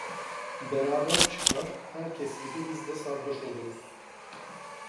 Beraber çıkar, herkes gibi biz de sarhoş oluruz.